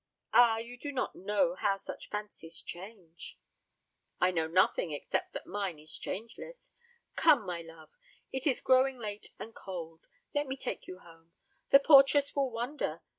"Ah, you do not know how such fancies change." "I know nothing except that mine is changeless. Come, my love, it is growing late and cold. Let me take you home. The portress will wonder.